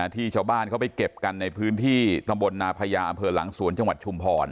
ที่ชาวบ้านเขาไปเก็บกันในพื้นที่ตำบลนาพญาอำเภอหลังสวนจังหวัดชุมพร